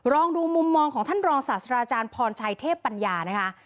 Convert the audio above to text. ลองดูมุมมองของท่านรองศาสตราจารย์พรชัยเทพปัญญานะคะ